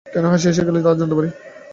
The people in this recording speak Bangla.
কেন হাসি এসে গেল তা জানতে পারি?